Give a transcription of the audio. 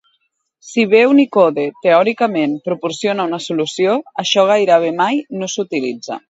Si bé Unicode, teòricament, proporciona una solució, això gairebé mai no s'utilitza.